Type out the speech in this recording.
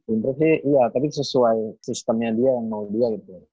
intrik sih iya tapi sesuai sistemnya dia yang mau dia gitu